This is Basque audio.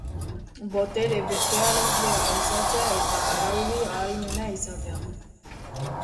Botere betearazlea gauzatzea eta araudi-ahalmena izatea.